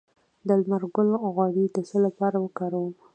د لمر ګل غوړي د څه لپاره وکاروم؟